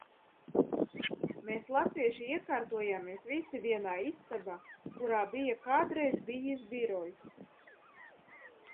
Mēs latvieši iekārtojāmies visi vienā istabā – kurā bija kādreiz bijis birojs.